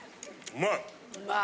うまい。